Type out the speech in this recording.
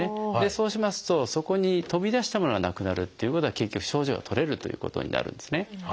そうしますとそこに飛び出したものがなくなるっていうことは結局症状が取れるということになるんですね。